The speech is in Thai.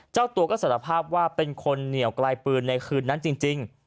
เจ้าตัวก็สารภาพว่าเป็นคนเหนียวไกลปืนในคืนนั้นจริง